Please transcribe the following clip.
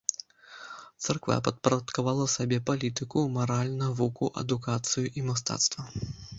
Царква падпарадкавала сабе палітыку, мараль, навуку, адукацыю і мастацтва.